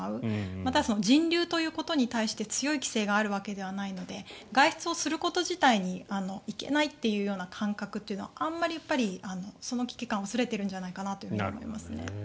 また、人流ということに対して強い規制があるわけではないので外出をすること自体にいけないというような感覚はあまり、その危機感は薄れているんじゃないかと思いますね。